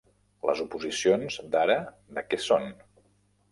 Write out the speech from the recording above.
Les oposicions d'ara, de què són?